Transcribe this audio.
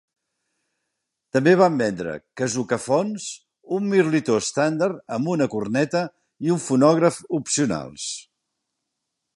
També van vendre Kazookaphones, un mirlitó estàndard amb una corneta i un fonògraf opcionals.